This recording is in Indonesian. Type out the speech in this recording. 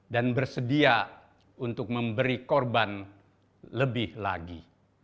dan bersedia untuk memberi korban lebih lagi